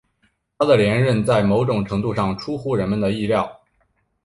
他的连任在某种程度上出乎人们的意料。